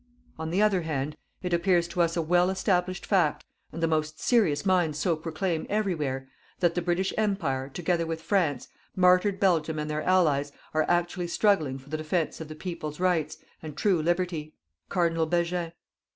"On the other hand, it appears to us a well established fact, and the most serious minds so proclaim everywhere, that the British Empire, together with France, martyred Belgium and their Allies are actually struggling for the defence of the peoples' Rights and true Liberty. (Card. Begin.)